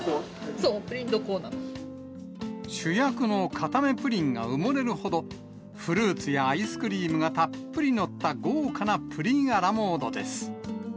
そう、主役の固めプリンが埋もれるほど、フルーツやアイスクリームがたっぷり載った、豪華なプリンアラモードです。